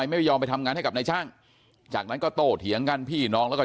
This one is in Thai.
ที่เกิดเกิดเหตุอยู่หมู่๖บ้านน้ำผู้ตะมนต์ทุ่งโพนะครับที่เกิดเกิดเหตุอยู่หมู่๖บ้านน้ำผู้ตะมนต์ทุ่งโพนะครับ